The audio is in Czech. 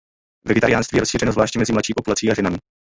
Vegetariánství je rozšířeno zvláště mezi mladší populací a ženami.